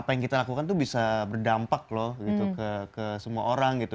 apa yang kita lakukan tuh bisa berdampak loh gitu ke semua orang gitu